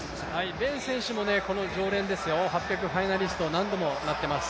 ベン選手も常連ですよ、８００ファイナリスト何度もなってます。